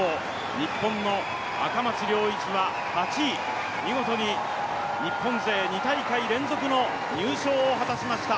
日本の赤松諒一は８位見事に日本勢２大会連続の入賞を果たしました。